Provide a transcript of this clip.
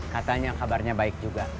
katanya kabarnya baik juga